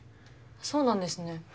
そうなんですね。